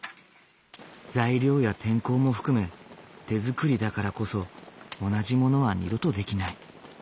材料や天候も含め手づくりだからこそ同じものは二度と出来ない。